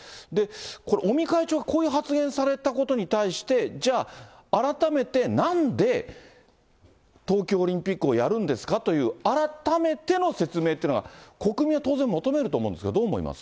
これ、尾身会長がこういう発言されたことに対して、じゃあ、改めてなんで東京オリンピックをやるんですか？という、改めての説明っていうのは、国民は当然求めると思うんですが、どう思います？